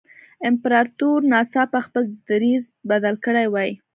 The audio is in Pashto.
امپراتور ناڅاپه خپل دریځ بدل کړی وای.